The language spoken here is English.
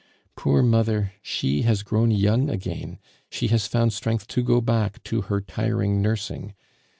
Poor mother! she has grown young again; she has found strength to go back to her tiring nursing.